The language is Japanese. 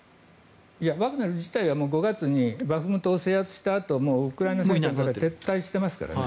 ワグネル自体は５月にバフムトを制圧したあとウクライナ戦争から撤退してますからね。